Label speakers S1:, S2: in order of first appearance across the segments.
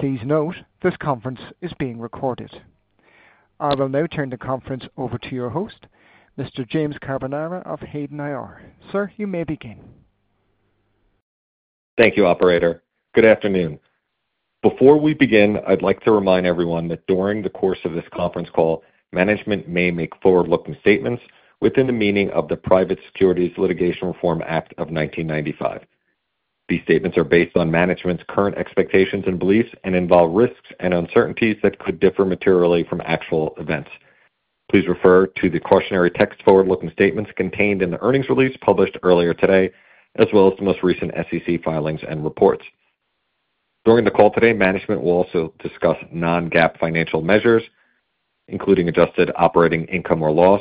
S1: Please note, this conference is being recorded. I will now turn the conference over to your host, Mr. James Carbonara of Hayden IR. Sir, you may begin.
S2: Thank you, Operator. Good afternoon. Before we begin, I'd like to remind everyone that during the course of this conference call, management may make forward-looking statements within the meaning of the Private Securities Litigation Reform Act of 1995. These statements are based on management's current expectations and beliefs and involve risks and uncertainties that could differ materially from actual events. Please refer to the cautionary text forward-looking statements contained in the earnings release published earlier today, as well as the most recent SEC filings and reports. During the call today, management will also discuss non-GAAP financial measures, including adjusted operating income or loss.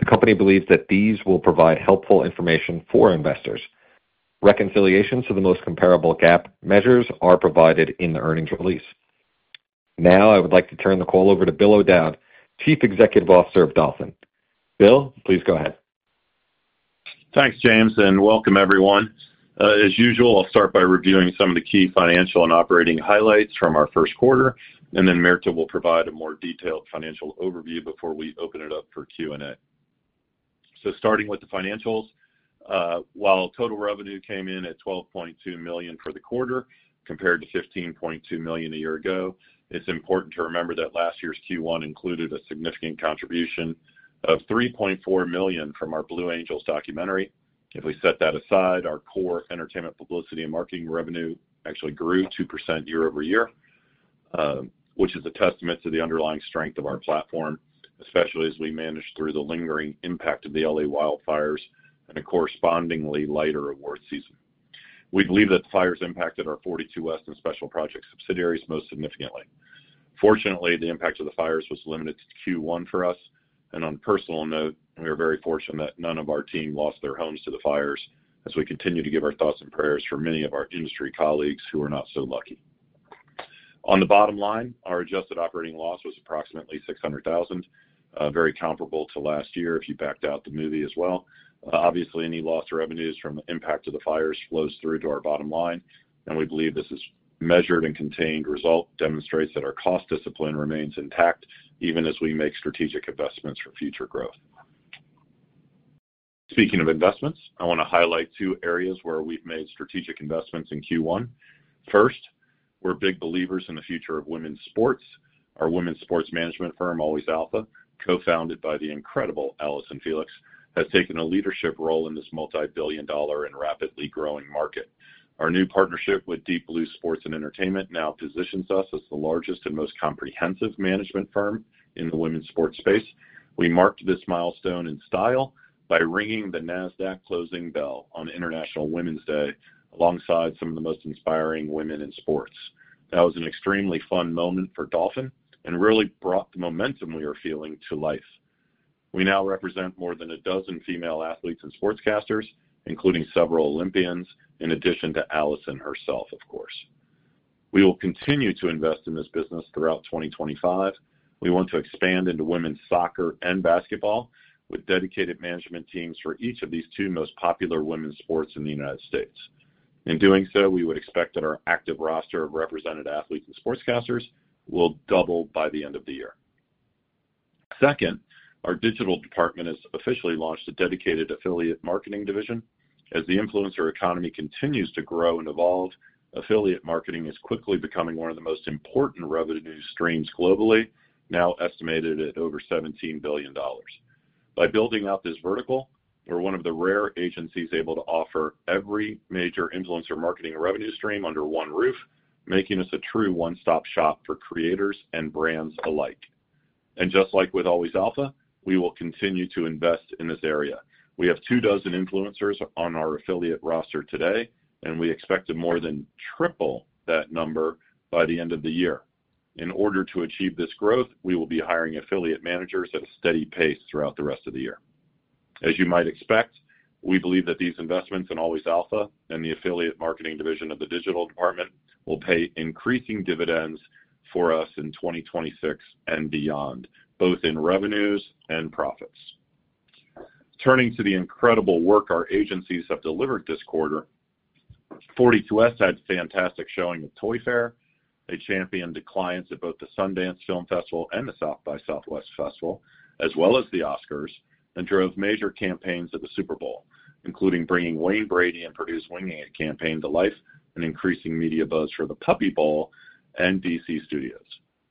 S2: The company believes that these will provide helpful information for investors. Reconciliations to the most comparable GAAP measures are provided in the earnings release. Now, I would like to turn the call over to Bill O'Dowd, Chief Executive Officer of Dolphin. Bill, please go ahead.
S3: Thanks, James, and welcome, everyone. As usual, I'll start by reviewing some of the key financial and operating highlights from our first quarter, and then Mirta will provide a more detailed financial overview before we open it up for Q&A. Starting with the financials, while total revenue came in at $12.2 million for the quarter, compared to $15.2 million a year ago, it's important to remember that last year's Q1 included a significant contribution of $3.4 million from our Blue Angels documentary. If we set that aside, our core entertainment, publicity, and marketing revenue actually grew 2% year-over-year, which is a testament to the underlying strength of our platform, especially as we managed through the lingering impact of the L.A. wildfires and a correspondingly lighter award season. We believe that the fires impacted our 42West and Special Projects subsidiaries most significantly. Fortunately, the impact of the fires was limited to Q1 for us, and on a personal note, we are very fortunate that none of our team lost their homes to the fires, as we continue to give our thoughts and prayers for many of our industry colleagues who are not so lucky. On the bottom line, our adjusted operating loss was approximately $600,000, very comparable to last year if you backed out the movie as well. Obviously, any lost revenues from the impact of the fires flows through to our bottom line, and we believe this measured and contained result demonstrates that our cost discipline remains intact even as we make strategic investments for future growth. Speaking of investments, I want to highlight two areas where we've made strategic investments in Q1. First, we're big believers in the future of women's sports. Our women's sports management firm, Always Alpha, co-founded by the incredible Allyson Felix, has taken a leadership role in this multi-billion dollar and rapidly growing market. Our new partnership with Deep Blue Sports and Entertainment now positions us as the largest and most comprehensive management firm in the women's sports space. We marked this milestone in style by ringing the NASDAQ closing bell on International Women's Day alongside some of the most inspiring women in sports. That was an extremely fun moment for Dolphin and really brought the momentum we were feeling to life. We now represent more than a dozen female athletes and sportscasters, including several Olympians, in addition to Allyson herself, of course. We will continue to invest in this business throughout 2025. We want to expand into women's soccer and basketball with dedicated management teams for each of these two most popular women's sports in the United States. In doing so, we would expect that our active roster of represented athletes and sportscasters will double by the end of the year. Second, our digital department has officially launched a dedicated affiliate marketing division. As the influencer economy continues to grow and evolve, affiliate marketing is quickly becoming one of the most important revenue streams globally, now estimated at over $17 billion. By building out this vertical, we're one of the rare agencies able to offer every major influencer marketing revenue stream under one roof, making us a true one-stop-shop for creators and brands alike. Just like with Always Alpha, we will continue to invest in this area. We have two dozen influencers on our affiliate roster today, and we expect to more than triple that number by the end of the year. In order to achieve this growth, we will be hiring affiliate managers at a steady pace throughout the rest of the year. As you might expect, we believe that these investments in Always Alpha and the affiliate marketing division of the digital department will pay increasing dividends for us in 2026 and beyond, both in revenues and profits. Turning to the incredible work our agencies have delivered this quarter, 42West had a fantastic showing at Toy Fair, they championed clients at both the Sundance Film Festival and the South by Southwest Festival, as well as the Oscars, and drove major campaigns at the Super Bowl, including bringing Wayne Brady and Perdue's Winging It campaign to life and increasing media buzz for the Puppy Bowl and DC Studios.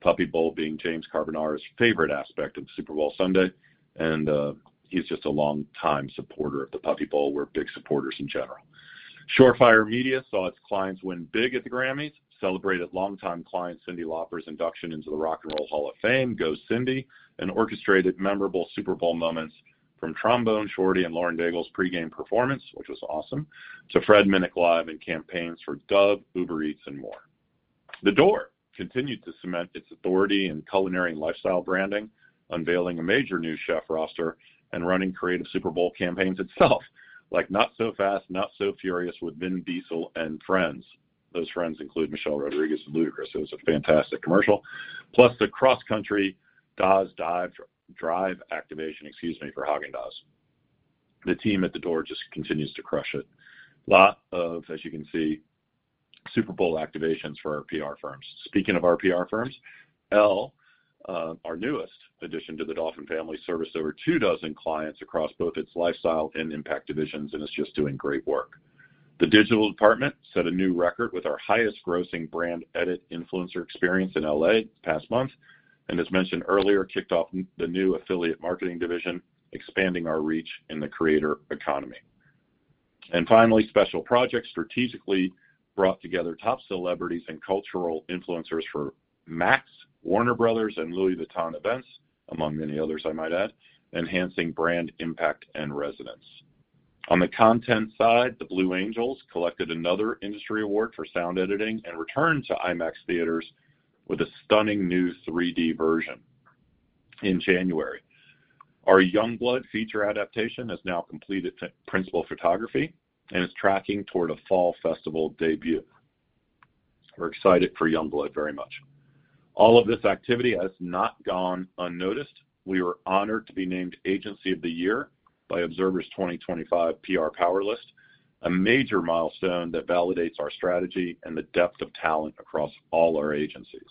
S3: Puppy Bowl being James Carbonara's favorite aspect of Super Bowl Sunday, and he's just a long-time supporter of the Puppy Bowl. We're big supporters in general. Shore Fire Media saw its clients win big at the Grammys, celebrated longtime client Cyndi Lauper's induction into the Rock and Roll Hall of Fame, Go Cyndi, and orchestrated memorable Super Bowl moments from Trombone Shorty and Lauren Daigle's pre-game performance, which was awesome, to Fred Minnick Live and campaigns for Dove, Uber Eats, and more. The Door continued to cement its authority in culinary and lifestyle branding, unveiling a major new chef roster and running creative Super Bowl campaigns itself, like Not So Fast, Not So Furious with Vin Diesel and friends. Those friends include Michelle Rodriguez and Ludacris. It was a fantastic commercial, plus the cross-country Dazs drive activation, excuse me, for Häagen-Dazs. The team at The Door just continues to crush it. Lot of, as you can see, Super Bowl activations for our PR firms. Speaking of our PR firms, Elle, our newest addition to the Dolphin family, serviced over two dozen clients across both its lifestyle and impact divisions and is just doing great work. The Digital Department set a new record with our highest grossing BrandEdit influencer experience in L.A. this past month, and as mentioned earlier, kicked off the new affiliate marketing division, expanding our reach in the creator economy. Finally, Special Projects strategically brought together top celebrities and cultural influencers for Max, Warner Bros., and Louis Vuitton events, among many others, I might add, enhancing brand impact and resonance. On the content side, the Blue Angels collected another industry award for sound editing and returned to IMAX theaters with a stunning new 3D version in January. Our Youngblood feature adaptation has now completed principal photography and is tracking toward a fall festival debut. We're excited for Youngblood very much. All of this activity has not gone unnoticed. We were honored to be named Agency of the Year by Observer's 2025 PR Power List, a major milestone that validates our strategy and the depth of talent across all our agencies.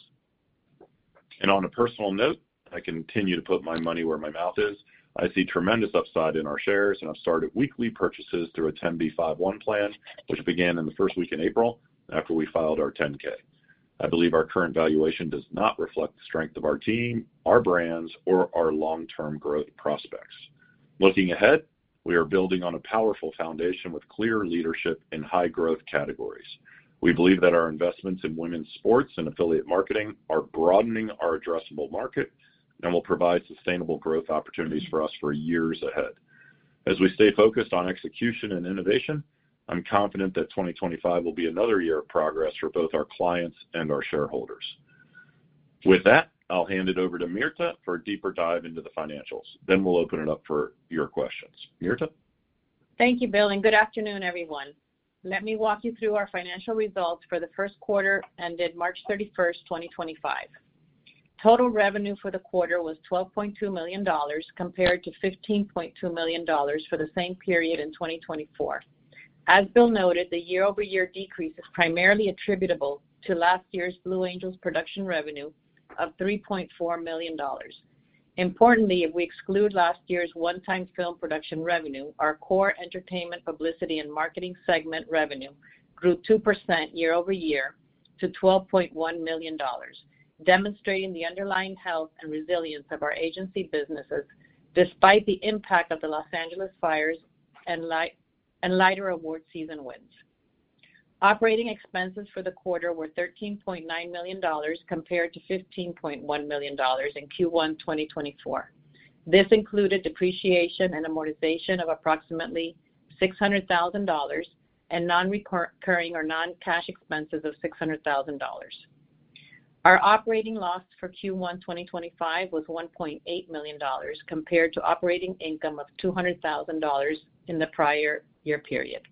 S3: On a personal note, I continue to put my money where my mouth is. I see tremendous upside in our shares, and I've started weekly purchases through a 10b5-1 plan, which began in the first week in April after we filed our 10-K. I believe our current valuation does not reflect the strength of our team, our brands, or our long-term growth prospects. Looking ahead, we are building on a powerful foundation with clear leadership in high-growth categories. We believe that our investments in women's sports and affiliate marketing are broadening our addressable market and will provide sustainable growth opportunities for us for years ahead. As we stay focused on execution and innovation, I'm confident that 2025 will be another year of progress for both our clients and our shareholders. With that, I'll hand it over to Mirta for a deeper dive into the financials. Then we'll open it up for your questions. Mirta?
S4: Thank you, Bill, and good afternoon, everyone. Let me walk you through our financial results for the first quarter ended March 31st, 2025. Total revenue for the quarter was $12.2 million, compared to $15.2 million for the same period in 2024. As Bill noted, the year-over-year decrease is primarily attributable to last year's Blue Angels production revenue of $3.4 million. Importantly, if we exclude last year's one-time film production revenue, our core entertainment, publicity, and marketing segment revenue grew 2% year-over-year to $12.1 million, demonstrating the underlying health and resilience of our agency businesses despite the impact of the Los Angeles fires and lighter award season wins. Operating expenses for the quarter were $13.9 million, compared to $15.1 million in Q1 2024. This included depreciation and amortization of approximately $600,000 and non-recurring or non-cash expenses of $600,000. Our operating loss for Q1 2025 was $1.8 million, compared to operating income of $200,000 in the prior year period.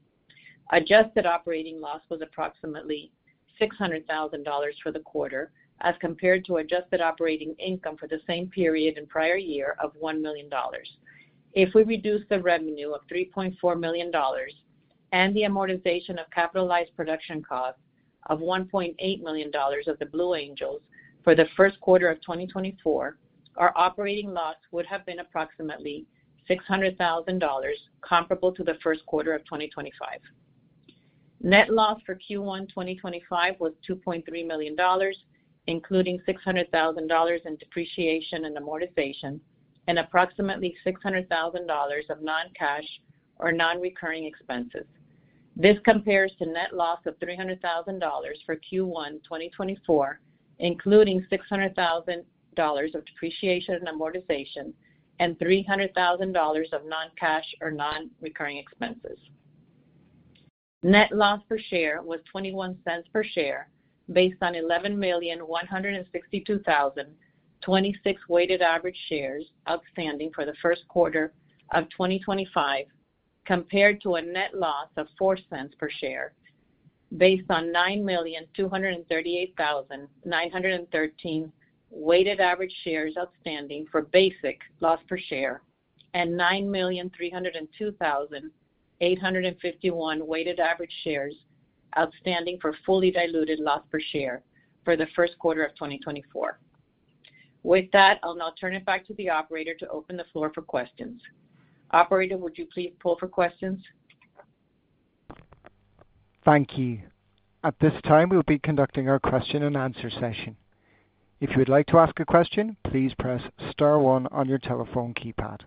S4: Adjusted operating loss was approximately $600,000 for the quarter, as compared to adjusted operating income for the same period and prior year of $1 million. If we reduce the revenue of $3.4 million and the amortization of capitalized production costs of $1.8 million of the Blue Angels for the first quarter of 2024, our operating loss would have been approximately $600,000, comparable to the first quarter of 2025. Net loss for Q1 2025 was $2.3 million, including $600,000 in depreciation and amortization and approximately $600,000 of non-cash or non-recurring expenses. This compares to net loss of $300,000 for Q1 2024, including $600,000 of depreciation and amortization and $300,000 of non-cash or non-recurring expenses. Net loss per share was $0.21 per share based on 11,162,026 weighted average shares outstanding for the first quarter of 2025, compared to a net loss of $0.04 per share based on 9,238,913 weighted average shares outstanding for basic loss per share and 9,302,851 weighted average shares outstanding for fully diluted loss per share for the first quarter of 2024. With that, I'll now turn it back to the operator to open the floor for questions. Operator, would you please poll for questions?
S1: Thank you. At this time, we'll be conducting our question and answer session. If you would like to ask a question, please press star one on your telephone keypad.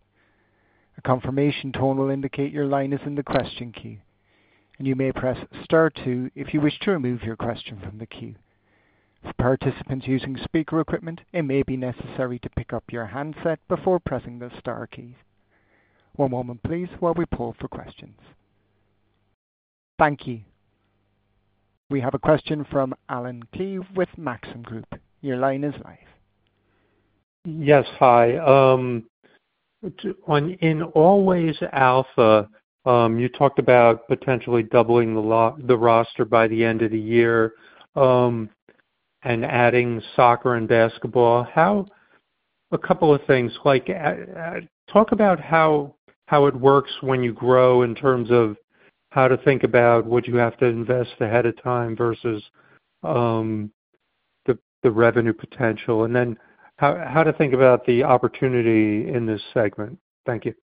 S1: A confirmation tone will indicate your line is in the question queue, and you may press star two if you wish to remove your question from the queue. For participants using speaker equipment, it may be necessary to pick up your handset before pressing the star keys. One moment, please, while we poll for questions. Thank you. We have a question from Alan Klee with Maxim Group. Your line is live.
S5: Yes, hi. In Always Alpha, you talked about potentially doubling the roster by the end of the year and adding soccer and basketball. A couple of things. Talk about how it works when you grow in terms of how to think about what you have to invest ahead of time versus the revenue potential, and then how to think about the opportunity in this segment. Thank you.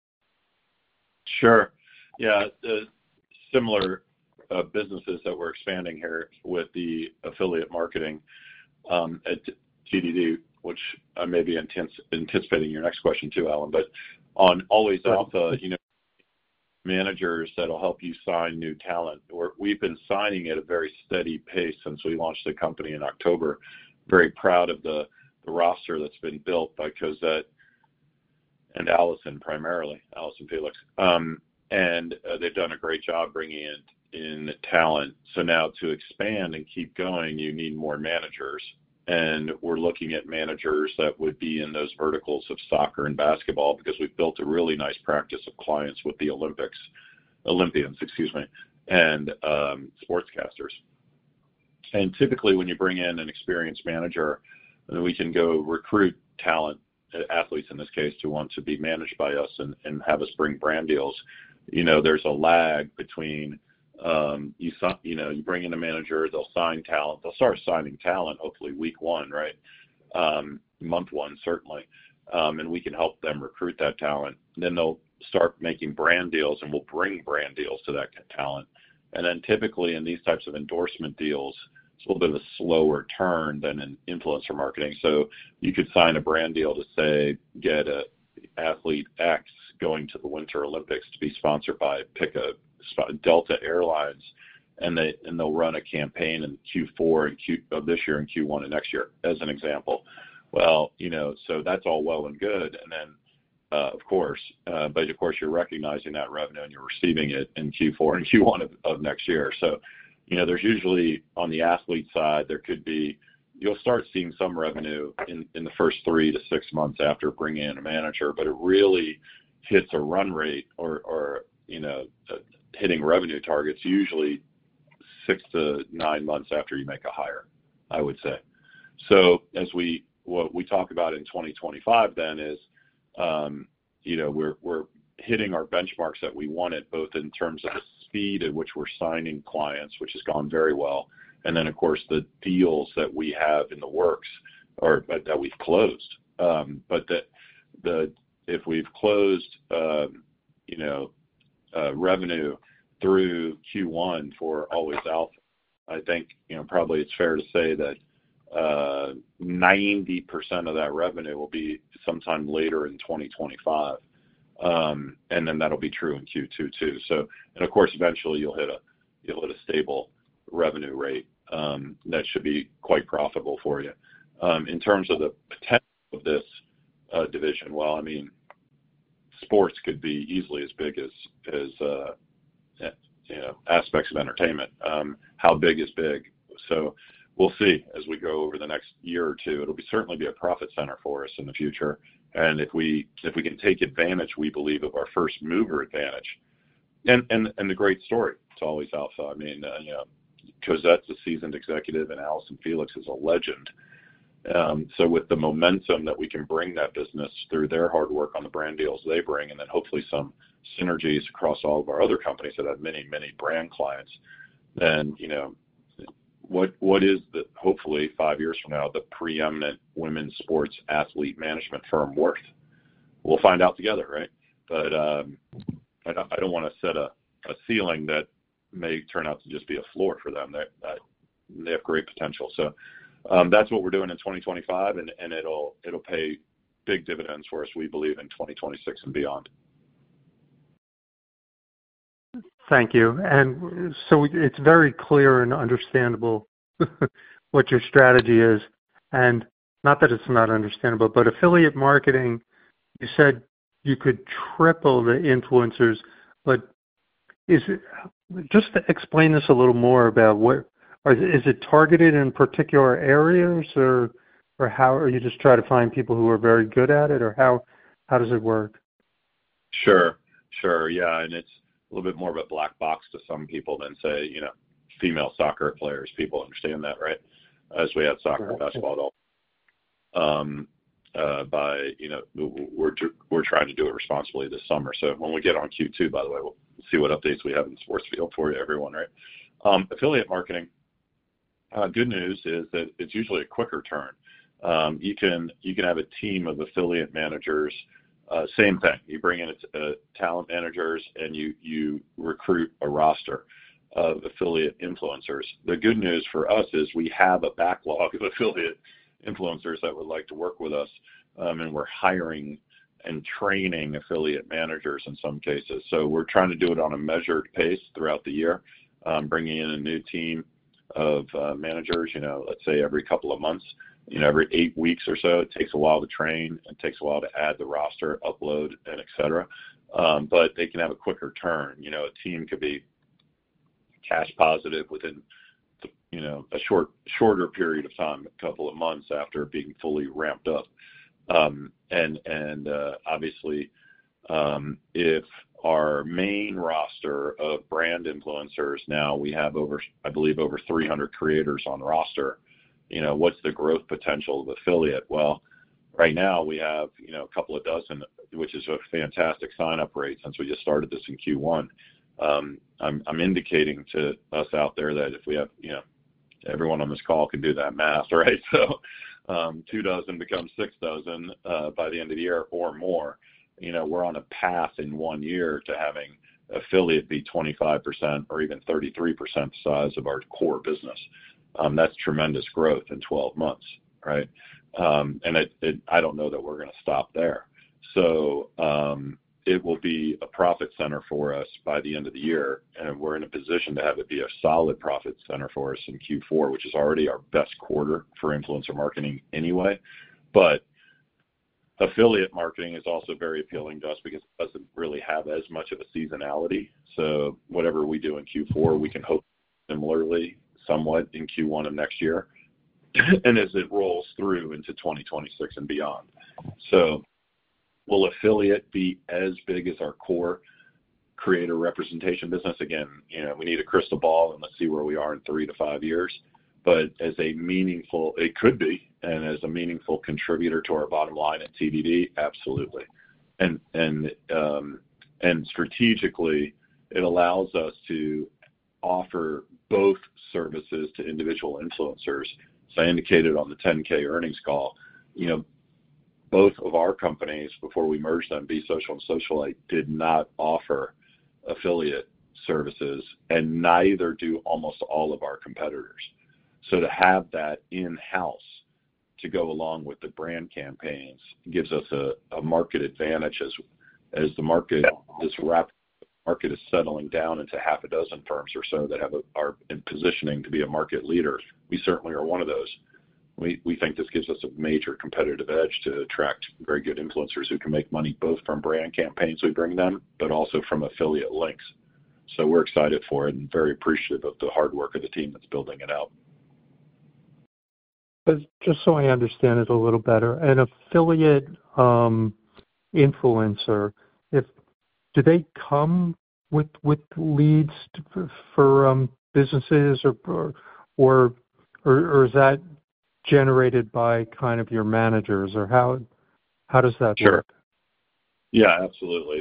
S3: Sure. Yeah, similar businesses that we're expanding here with the affiliate marketing at TDD, which I may be anticipating your next question too, Alan, but on Always Alpha, managers that'll help you sign new talent. We've been signing at a very steady pace since we launched the company in October. Very proud of the roster that's been built by Cosette and Allyson primarily, Allyson Felix, and they've done a great job bringing in talent. Now to expand and keep going, you need more managers, and we're looking at managers that would be in those verticals of soccer and basketball because we've built a really nice practice of clients with the Olympians, excuse me, and sportscasters. Typically, when you bring in an experienced manager, then we can go recruit talent, athletes in this case, who want to be managed by us and have us bring brand deals. There's a lag between you bring in a manager, they'll sign talent, they'll start signing talent hopefully week one, right? Month one, certainly, and we can help them recruit that talent. Then they'll start making brand deals, and we'll bring brand deals to that talent. Typically, in these types of endorsement deals, it's a little bit of a slower turn than in influencer marketing. You could sign a brand deal to say, "Get athlete X going to the Winter Olympics to be sponsored by Delta Airlines," and they'll run a campaign in Q4 of this year and Q1 of next year, as an example. That is all well and good, and then, of course, you're recognizing that revenue and you're receiving it in Q4 and Q1 of next year. There's usually, on the athlete side, you could start seeing some revenue in the first three to six months after bringing in a manager, but it really hits a run rate or hitting revenue targets usually six to nine months after you make a hire, I would say. What we talk about in 2025 then is we're hitting our benchmarks that we wanted, both in terms of the speed at which we're signing clients, which has gone very well, and then, of course, the deals that we have in the works or that we've closed. If we've closed revenue through Q1 for Always Alpha, I think probably it's fair to say that 90% of that revenue will be sometime later in 2025, and that'll be true in Q2 too. Of course, eventually, you'll hit a stable revenue rate that should be quite profitable for you. In terms of the potential of this division, I mean, sports could be easily as big as aspects of entertainment. How big is big? We will see as we go over the next year or two. It will certainly be a profit center for us in the future, and if we can take advantage, we believe, of our first mover advantage. The great story to Always Alpha, I mean, Cosette's a seasoned executive and Allyson Felix is a legend. With the momentum that we can bring that business through their hard work on the brand deals they bring, and then hopefully some synergies across all of our other companies that have many, many brand clients, then what is, hopefully, five years from now, the preeminent women's sports athlete management firm worth? We'll find out together, right? I don't want to set a ceiling that may turn out to just be a floor for them. They have great potential. That's what we're doing in 2025, and it'll pay big dividends for us, we believe, in 2026 and beyond.
S5: Thank you. It is very clear and understandable what your strategy is. Not that it is not understandable, but affiliate marketing, you said you could triple the influencers. Just to explain this a little more, is it targeted in particular areas or how? Or do you just try to find people who are very good at it or how does it work?
S3: Sure. Yeah. And it's a little bit more of a black box to some people than say female soccer players. People understand that, right? As we add soccer and basketball, we're trying to do it responsibly this summer. When we get on Q2, by the way, we'll see what updates we have in the sports field for you, everyone, right? Affiliate marketing, good news is that it's usually a quicker turn. You can have a team of affiliate managers. Same thing. You bring in talent managers and you recruit a roster of affiliate influencers. The good news for us is we have a backlog of affiliate influencers that would like to work with us, and we're hiring and training affiliate managers in some cases. We're trying to do it on a measured pace throughout the year, bringing in a new team of managers, let's say, every couple of months, every eight weeks or so. It takes a while to train. It takes a while to add the roster, upload, and etc. They can have a quicker turn. A team could be cash positive within a shorter period of time, a couple of months after being fully ramped up. Obviously, if our main roster of brand influencers now, we have, I believe, over 300 creators on roster, what's the growth potential of affiliate? Right now, we have a couple of dozen, which is a fantastic sign-up rate since we just started this in Q1. I'm indicating to us out there that if we have everyone on this call can do that math, right? So two dozen becomes six dozen by the end of the year or more. We're on a path in one year to having affiliate be 25% or even 33% the size of our core business. That's tremendous growth in 12 months, right? I don't know that we're going to stop there. It will be a profit center for us by the end of the year, and we're in a position to have it be a solid profit center for us in Q4, which is already our best quarter for influencer marketing anyway. Affiliate marketing is also very appealing to us because it doesn't really have as much of a seasonality. Whatever we do in Q4, we can hope similarly somewhat in Q1 of next year and as it rolls through into 2026 and beyond. Will affiliate be as big as our core creator representation business? Again, we need a crystal ball, and let's see where we are in three to five years. As a meaningful, it could be, and as a meaningful contributor to our bottom line at TDD, absolutely. Strategically, it allows us to offer both services to individual influencers. I indicated on the 10-K earnings call, both of our companies, before we merged them, Be Social and Socialyte, did not offer affiliate services and neither do almost all of our competitors. To have that in-house to go along with the brand campaigns gives us a market advantage as the market is wrapped, the market is settling down into half a dozen firms or so that are positioning to be a market leader. We certainly are one of those. We think this gives us a major competitive edge to attract very good influencers who can make money both from brand campaigns we bring them, but also from affiliate links. We are excited for it and very appreciative of the hard work of the team that is building it out.
S5: Just so I understand it a little better, an affiliate influencer, do they come with leads for businesses, or is that generated by kind of your managers, or how does that work?
S3: Sure. Yeah, absolutely.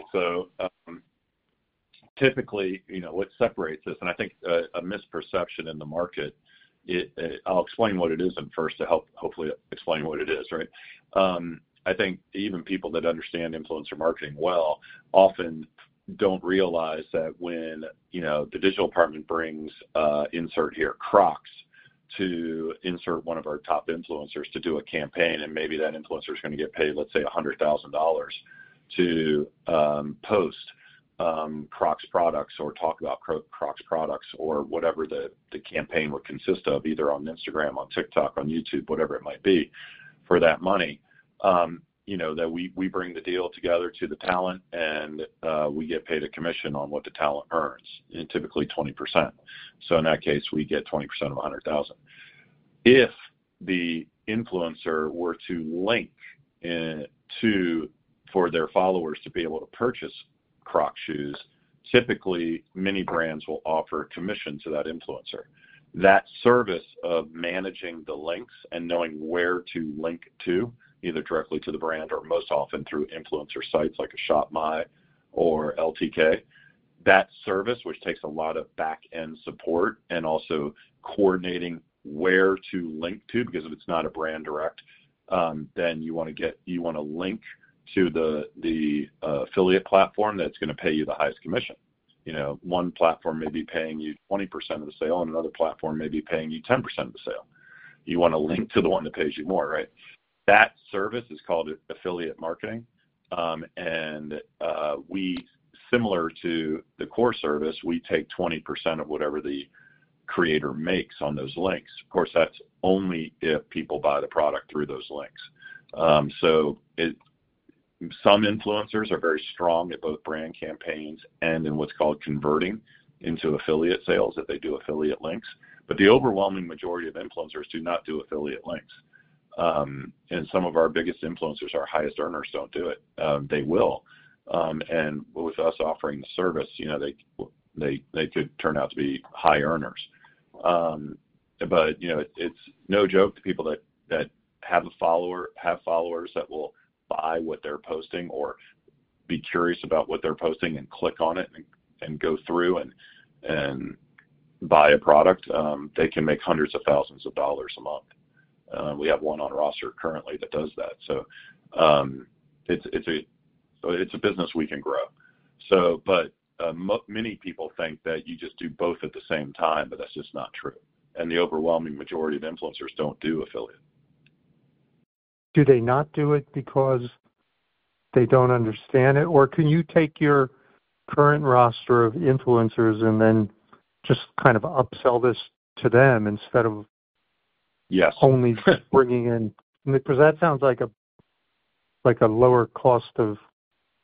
S3: Typically, what separates this, and I think a misperception in the market, I'll explain what it is first to help hopefully explain what it is, right? I think even people that understand influencer marketing well often do not realize that when The Digital Department brings, insert here, Crocs to insert one of our top influencers to do a campaign, and maybe that influencer is going to get paid, let's say, $100,000 to post Crocs products or talk about Crocs products or whatever the campaign would consist of, either on Instagram, on TikTok, on YouTube, whatever it might be for that money, that we bring the deal together to the talent and we get paid a commission on what the talent earns, typically 20%. In that case, we get 20% of $100,000. If the influencer were to link for their followers to be able to purchase Crocs shoes, typically many brands will offer a commission to that influencer. That service of managing the links and knowing where to link to, either directly to the brand or most often through influencer sites like a ShopMy or LTK, that service, which takes a lot of back-end support and also coordinating where to link to, because if it's not a brand direct, then you want to link to the affiliate platform that's going to pay you the highest commission. One platform may be paying you 20% of the sale, and another platform may be paying you 10% of the sale. You want to link to the one that pays you more, right? That service is called affiliate marketing. And similar to the core service, we take 20% of whatever the creator makes on those links. Of course, that's only if people buy the product through those links. Some influencers are very strong at both brand campaigns and in what's called converting into affiliate sales if they do affiliate links. The overwhelming majority of influencers do not do affiliate links. Some of our biggest influencers, our highest earners, do not do it. They will. With us offering the service, they could turn out to be high earners. It is no joke to people that have followers that will buy what they're posting or be curious about what they're posting and click on it and go through and buy a product. They can make hundreds of thousands of dollars a month. We have one on roster currently that does that. It is a business we can grow. Many people think that you just do both at the same time, but that's just not true. The overwhelming majority of influencers don't do affiliate.
S5: Do they not do it because they do not understand it? Or can you take your current roster of influencers and then just kind of upsell this to them instead of only bringing in? Because that sounds like a lower cost of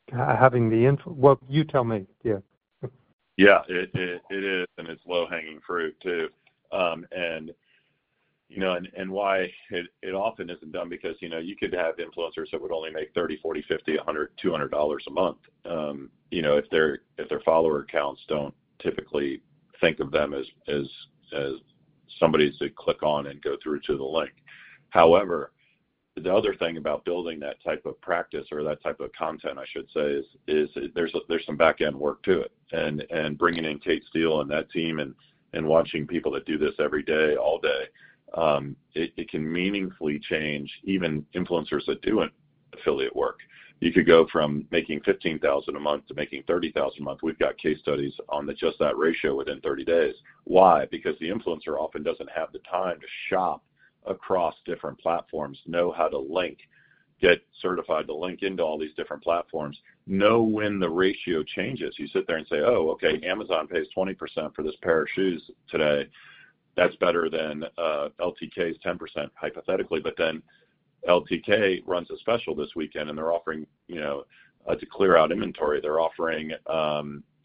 S5: having the, well, you tell me. Yeah.
S3: Yeah, it is, and it's low-hanging fruit too. And why it often isn't done because you could have influencers that would only make $30, $40, $50, $100, $200 a month if their follower counts don't typically think of them as somebody to click on and go through to the link. However, the other thing about building that type of practice or that type of content, I should say, is there's some back-end work to it. And bringing in Kate Steele and that team and watching people that do this every day, all day, it can meaningfully change even influencers that do affiliate work. You could go from making $15,000 a month to making $30,000 a month. We've got case studies on just that ratio within 30 days. Why? Because the influencer often doesn't have the time to shop across different platforms, know how to link, get certified to link into all these different platforms, know when the ratio changes. You sit there and say, "Oh, okay, Amazon pays 20% for this pair of shoes today. That's better than LTK's 10%, hypothetically." LTK runs a special this weekend, and they're offering to clear out inventory. They're offering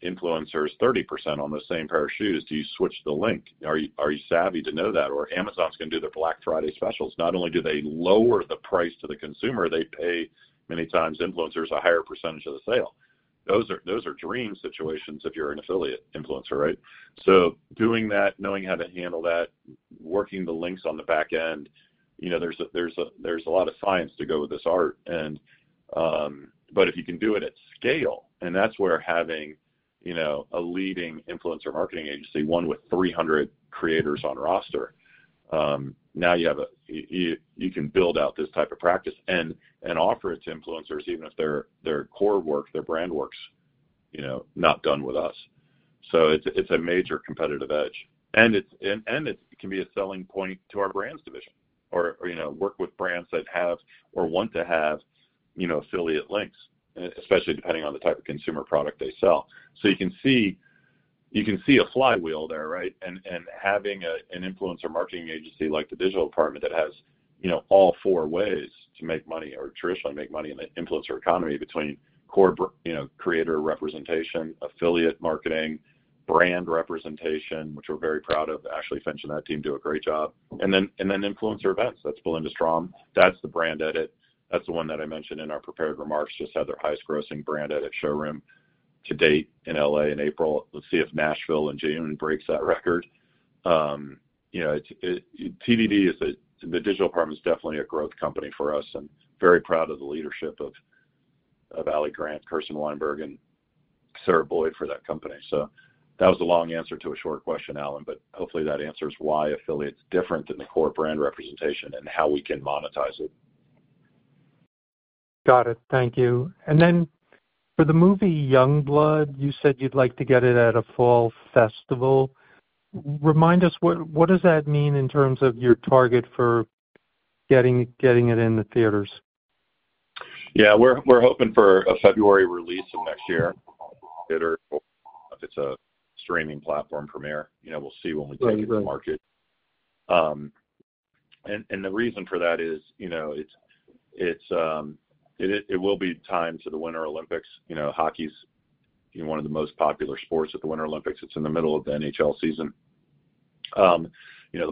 S3: influencers 30% on the same pair of shoes. Do you switch the link? Are you savvy to know that? Amazon's going to do their Black Friday specials. Not only do they lower the price to the consumer, they pay many times influencers a higher percentage of the sale. Those are dream situations if you're an affiliate influencer, right? Doing that, knowing how to handle that, working the links on the back end, there's a lot of science to go with this art. If you can do it at scale, and that's where having a leading influencer marketing agency, one with 300 creators on roster, now you can build out this type of practice and offer it to influencers, even if their core work, their brand work, is not done with us. It's a major competitive edge. It can be a selling point to our brands division or work with brands that have or want to have affiliate links, especially depending on the type of consumer product they sell. You can see a flywheel there, right? Having an influencer marketing agency like The Digital Department that has all four ways to make money or traditionally make money in the influencer economy between core creator representation, affiliate marketing, brand representation, which we're very proud of. Ashley Finch and that team do a great job. Influencer events, that's Belinda Sztrom. That's the BRANDEdit. That's the one that I mentioned in our prepared remarks, just had their highest grossing BRANDEdit showroom to date in L.A. in April. Let's see if Nashville in June breaks that record. TDD, The Digital Department, is definitely a growth company for us and very proud of the leadership of Ali Grant, Kirsten Weinberg, and Sarah Boyd for that company. That was a long answer to a short question, Alan, but hopefully that answers why affiliate's different than the core brand representation and how we can monetize it.
S5: Got it. Thank you. For the movie Youngblood, you said you'd like to get it at a fall festival. Remind us, what does that mean in terms of your target for getting it in the theaters?
S3: Yeah, we're hoping for a February release of next year. Theater, if it's a streaming platform premiere, we'll see when we take it to market. The reason for that is it will be time for the Winter Olympics. Hockey's one of the most popular sports at the Winter Olympics. It's in the middle of the NHL season. The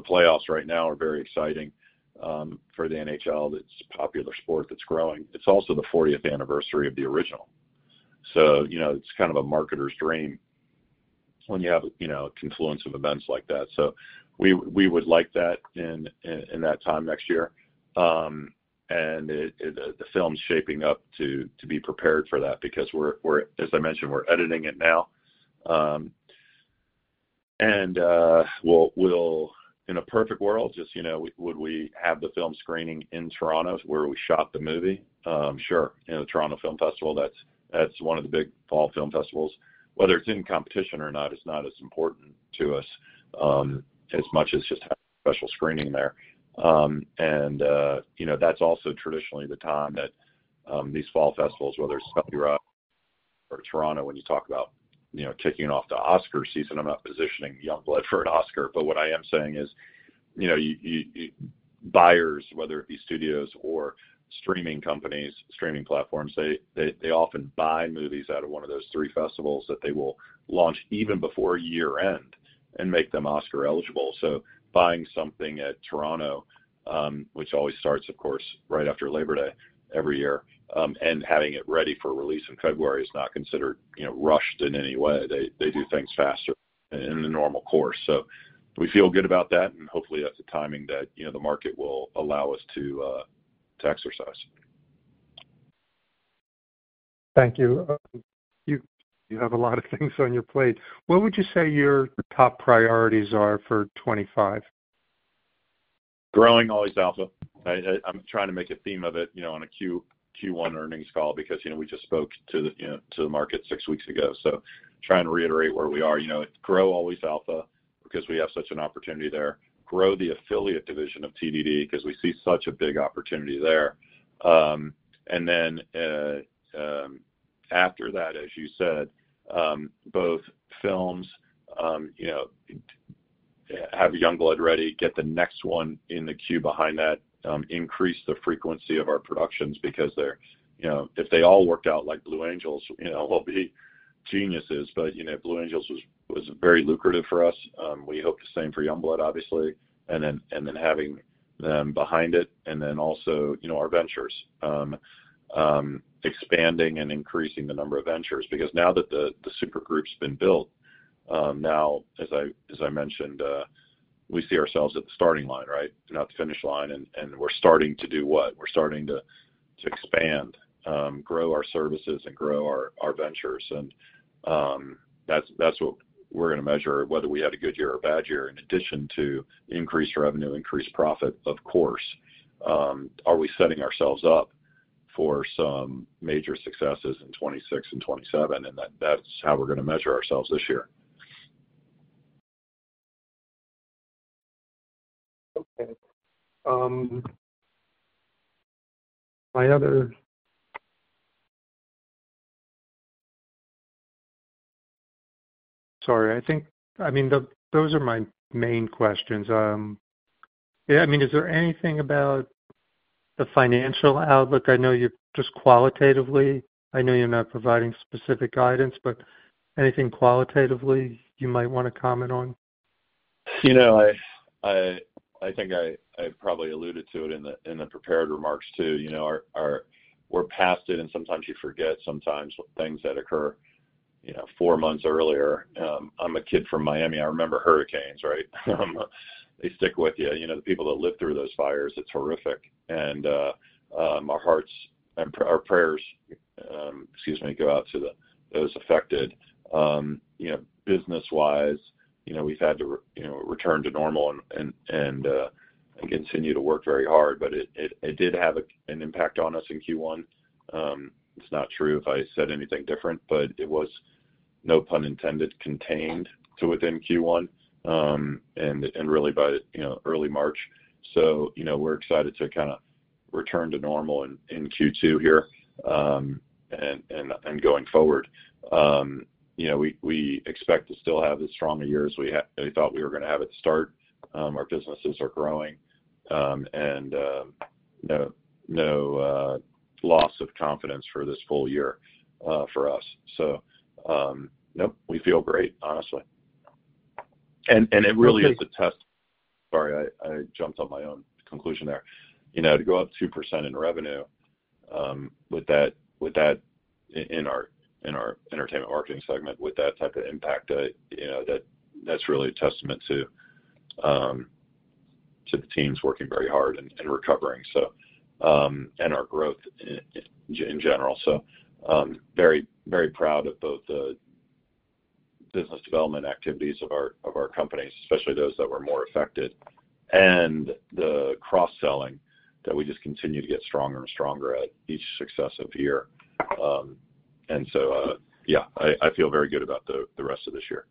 S3: playoffs right now are very exciting for the NHL. It's a popular sport that's growing. It's also the 40th anniversary of the original. It's kind of a marketer's dream when you have a confluence of events like that. We would like that in that time next year. The film's shaping up to be prepared for that because, as I mentioned, we're editing it now. In a perfect world, would we have the film screening in Toronto where we shot the movie? Sure. The Toronto Film Festival, that's one of the big fall film festivals. Whether it's in competition or not, it's not as important to us as much as just having a special screening there. That's also traditionally the time that these fall festivals, whether it's [Sundance] or Toronto, when you talk about kicking off the Oscar season, I'm not positioning Youngblood for an Oscar, but what I am saying is buyers, whether it be studios or streaming companies, streaming platforms, they often buy movies out of one of those three festivals that they will launch even before year-end and make them Oscar-eligible. Buying something at Toronto, which always starts, of course, right after Labor Day every year, and having it ready for release in February is not considered rushed in any way. They do things faster in the normal course. We feel good about that, and hopefully that's the timing that the market will allow us to exercise.
S5: Thank you. You have a lot of things on your plate. What would you say your top priorities are for 2025?
S3: Growing Always Alpha. I'm trying to make a theme of it on a Q1 earnings call because we just spoke to the market six weeks ago. Trying to reiterate where we are. Grow Always Alpha because we have such an opportunity there. Grow the affiliate division of TDD because we see such a big opportunity there. After that, as you said, both films have Youngblood ready, get the next one in the queue behind that, increase the frequency of our productions because if they all worked out like Blue Angels, we'll be geniuses. Blue Angels was very lucrative for us. We hope the same for Youngblood, obviously. Having them behind it, and also our ventures, expanding and increasing the number of ventures. Now that the super group's been built, now, as I mentioned, we see ourselves at the starting line, right? Not the finish line. We are starting to do what? We are starting to expand, grow our services, and grow our ventures. That is what we are going to measure, whether we had a good year or a bad year, in addition to increased revenue, increased profit, of course. Are we setting ourselves up for some major successes in 2026 and 2027? That is how we are going to measure ourselves this year.
S5: Okay. My other—sorry. I mean, those are my main questions. Yeah, I mean, is there anything about the financial outlook? I know you're just qualitatively—I know you're not providing specific guidance, but anything qualitatively you might want to comment on?
S3: I think I probably alluded to it in the prepared remarks too. We're past it, and sometimes you forget, sometimes things that occur four months earlier. I'm a kid from Miami. I remember hurricanes, right? They stick with you. The people that live through those fires, it's horrific. And our hearts and our prayers, excuse me, go out to those affected. Business-wise, we've had to return to normal and continue to work very hard, but it did have an impact on us in Q1. It's not true if I said anything different, but it was, no pun intended, contained to within Q1 and really by early March. We are excited to kind of return to normal in Q2 here and going forward. We expect to still have as strong a year as we thought we were going to have at the start. Our businesses are growing, and no loss of confidence for this full year for us. Nope, we feel great, honestly. It really is a test—sorry, I jumped on my own conclusion there. To go up 2% in revenue with that in our entertainment marketing segment, with that type of impact, that's really a testament to the teams working very hard and recovering, and our growth in general. Very proud of both the business development activities of our companies, especially those that were more affected, and the cross-selling that we just continue to get stronger and stronger at each successive year. Yeah, I feel very good about the rest of this year.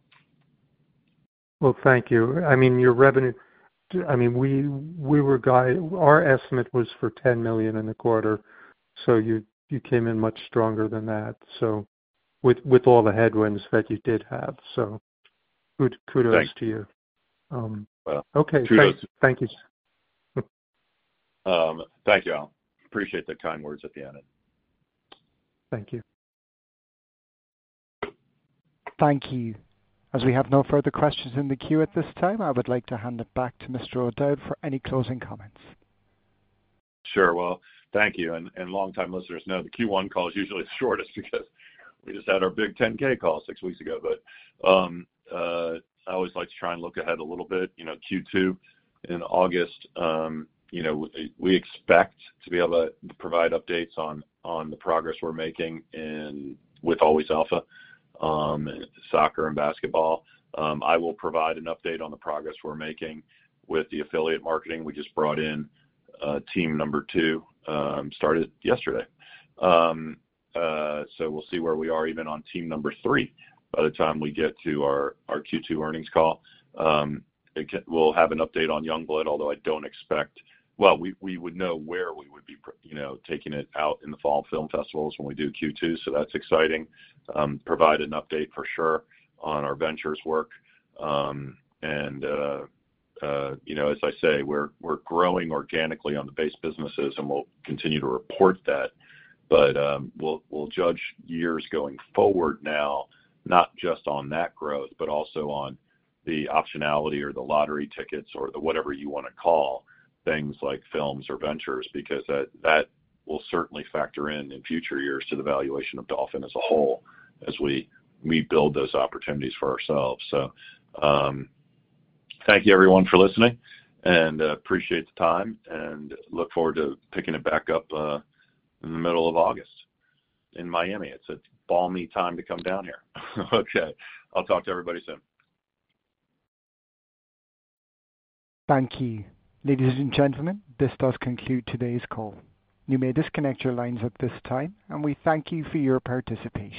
S5: Thank you. I mean, your revenue—I mean, we were—our estimate was for $10 million in the quarter, so you came in much stronger than that, with all the headwinds that you did have. Kudos to you.
S3: Thanks.
S5: Okay. Thank you.
S3: Thank you, Alan. Appreciate the kind words at the end.
S5: Thank you.
S1: Thank you. As we have no further questions in the queue at this time, I would like to hand it back to Mr. O'Dowd for any closing comments.
S3: Sure. Thank you. Longtime listeners know the Q1 call is usually the shortest because we just had our big 10-K call six weeks ago. I always like to try and look ahead a little bit. Q2 in August, we expect to be able to provide updates on the progress we're making with Always Alpha and soccer and basketball. I will provide an update on the progress we're making with the affiliate marketing. We just brought in team number two, started yesterday. We will see where we are even on team number three by the time we get to our Q2 earnings call. We will have an update on Youngblood, although I do not expect—well, we would know where we would be taking it out in the fall film festivals when we do Q2, so that is exciting. Provide an update for sure on our ventures work. As I say, we're growing organically on the base businesses, and we'll continue to report that. We'll judge years going forward now, not just on that growth, but also on the optionality or the lottery tickets or whatever you want to call things like films or ventures, because that will certainly factor in in future years to the valuation of Dolphin as a whole as we build those opportunities for ourselves. Thank you, everyone, for listening, and appreciate the time, and look forward to picking it back up in the middle of August in Miami. It's a balmy time to come down here. Okay. I'll talk to everybody soon.
S1: Thank you. Ladies and gentlemen, this does conclude today's call. You may disconnect your lines at this time, and we thank you for your participation.